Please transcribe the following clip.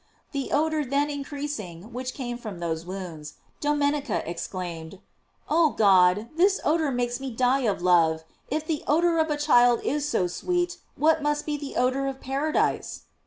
*' The odor then increasing which came from those wounds, Domenica exclaimed: "Oh God, this odor makes me die of love; if the odor of a child is so sweett what must be the odor of paradise?"